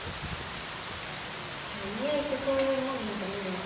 いやお見合いってそういうもんなんじゃないの？